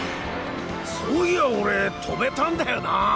そういや俺飛べたんだよな！